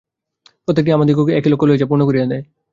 প্রত্যেকটিই আমাদিগকে একই লক্ষ্যে লইয়া যায়, পূর্ণ করিয়া দেয়।